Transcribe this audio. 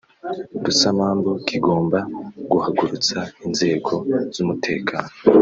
Rusamambu kigomba guhagurutsa inzego z’umutekano